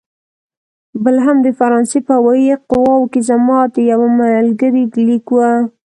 بل هم د فرانسې په هوايي قواوو کې زما د یوه ملګري لیک و.